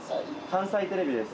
関西テレビです。